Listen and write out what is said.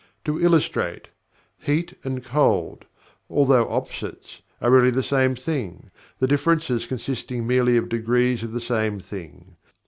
To illustrate: Heat and Cold, although "opposites," are really the same thing, the differences consisting merely of degrees of the same thing.